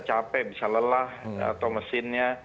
capek bisa lelah atau mesinnya